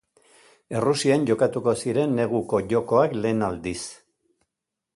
Errusian jokatuko ziren neguko jokoak lehen aldiz.